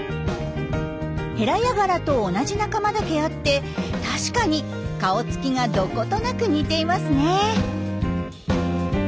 ヘラヤガラと同じ仲間だけあって確かに顔つきがどことなく似ていますね。